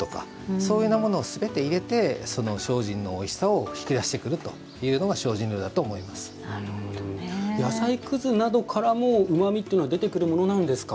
そういうふうなものをすべて入れて精進のおいしさを引き出してくるというのが野菜くずなどからもうまみというのは出てくるものなんですか。